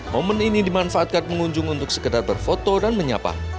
momen ini dimanfaatkan pengunjung untuk sekedar berfoto dan menyapa